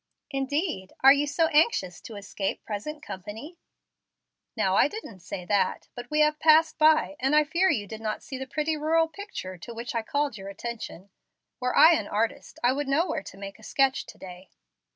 "Indeed, are you so anxious to escape present company?" "Now I didn't say that. But we have passed by, and I fear you did not see the pretty rural picture to which I called your attention. Were I an artist I would know where to make a sketch to day."